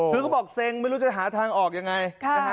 คือเขาบอกเซ็งไม่รู้จะหาทางออกยังไงนะฮะ